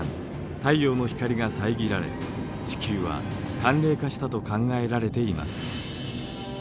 太陽の光がさえぎられ地球は寒冷化したと考えられています。